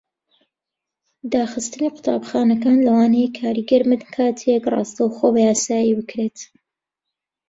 داخستنی قوتابخانەکان لەوانەیە کاریگەر بن کاتێک ڕاستەوخۆ بەیاسایی بکرێت.